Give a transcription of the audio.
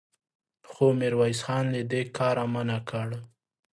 خو ميرويس خان له دې کاره منع کړ.